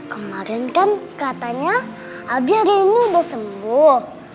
kemarin kan katanya albi hari ini udah sembuh